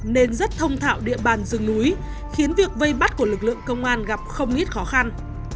nên rất thông thạo địa bàn rừng núi khiến việc vây bắt của lực lượng công an gặp không ít khó khăn